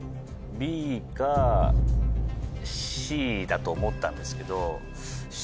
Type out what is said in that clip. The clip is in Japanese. だと思ったんですけど。